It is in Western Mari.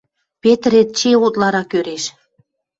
Петр эче утларак ӧреш.